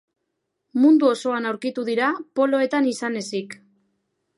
Mundu osoan aurkitu dira, poloetan izan ezik.